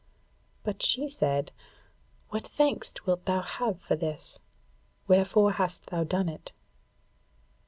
But she said: 'What thanks wilt thou have for this? Wherefore hast thou done it?'